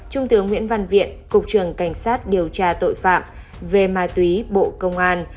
trung tướng nguyễn văn viện cục trường cảnh sát điều tra tội phạm về ma túy bộ công an